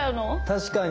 確かに。